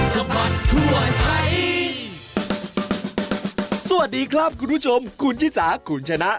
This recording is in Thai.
สวัสดีครับคุณผู้ชมคุณชิสาคุณชนะ